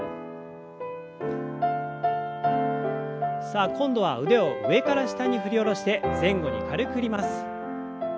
さあ今度は腕を上から下に振り下ろして前後に軽く振ります。